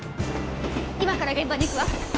今から現場に行くわ。